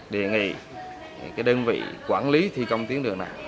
đề nghị đơn vị quản lý thi công tuyến đường này